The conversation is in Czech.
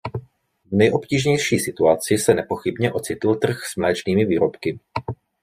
V nejobtížnější situaci se nepochybně ocitl trh s mléčnými výrobky.